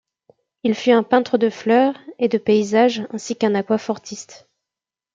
Il fut un peintre de fleurs et de paysages ainsi qu'un aquafortiste.